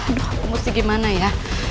aduh aku mesti gimana ya